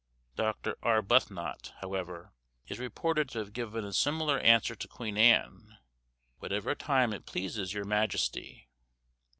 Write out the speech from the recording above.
Dr. Arbuthnot, however, is reported to have given a similar answer to Queen Anne, "Whatever time it pleases your majesty."